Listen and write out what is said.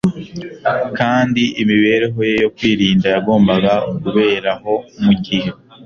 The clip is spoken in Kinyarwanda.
kandi imibereho ye yo kwirinda yagombaga kubera aho mu gihe